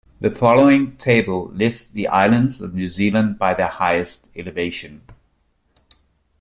The following table lists the islands of New Zealand by their highest elevation.